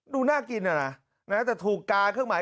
ดูน่ากินน่ะนะแต่ถูกกาเครื่องหมาย